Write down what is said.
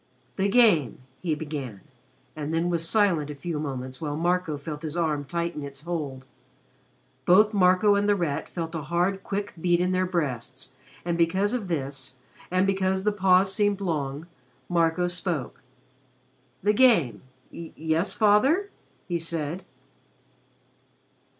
"The Game" he began, and then was silent a few moments while Marco felt his arm tighten its hold. Both Marco and The Rat felt a hard quick beat in their breasts, and, because of this and because the pause seemed long, Marco spoke. "The Game yes, Father?" he said.